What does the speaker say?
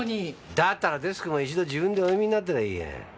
だったらデスクも一度自分でお読みになったらいい。